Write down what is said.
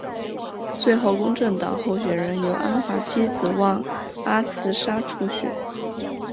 最后公正党候选人由安华妻子旺阿兹莎出选。